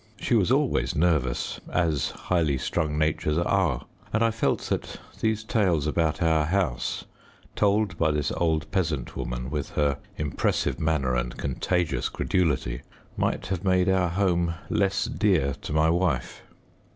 She was always nervous, as highly strung natures are, and I felt that these tales about our house, told by this old peasant woman, with her impressive manner and contagious credulity, might have made our home less dear to my wife.